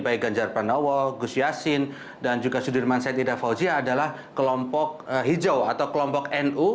baik ganjar pranowo gus yassin dan juga sudirman said ida fauzia adalah kelompok hijau atau kelompok nu